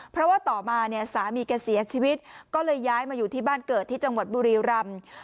เพราะว่าต่อมาเนี่ยสามีแกเสียชีวิตก็เลยย้ายมาอยู่ที่บ้านเกิดที่จังหวัดบุรีรำ